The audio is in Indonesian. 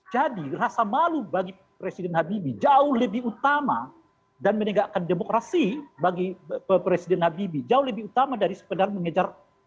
jadi rasa malu bagi presiden habibie jauh lebih utama dan menegakkan demokrasi bagi presiden habibie jauh lebih utama dari sepeda mengejar